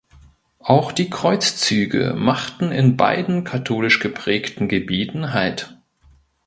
Auch die Kreuzzüge machten in beiden katholisch geprägten Gebieten Halt.